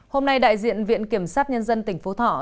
hôm nay đại diện viện kiểm sát nhân dân tỉnh phú thọ